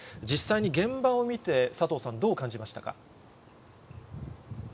実際に現場を見て、佐藤さん、どう感じましたか。